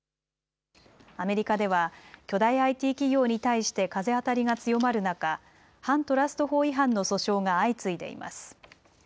アメリカでは巨大ＩＴ企業に対して風当たりが強まる中、反トラスト法違反の訴訟が相次いでいます。